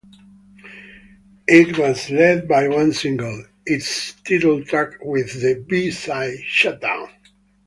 It was led by one single, its title track with the B-side "Shut Down".